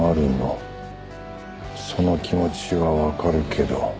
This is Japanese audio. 「その気持ちはわかるけど」